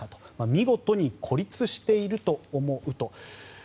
見事に孤立していると思うと。